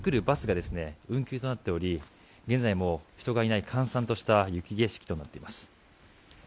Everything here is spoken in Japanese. バスが運休となっており現在も人がいない、閑散とした雪景色となっています。